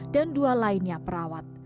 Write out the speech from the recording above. dan dua lainnya perawat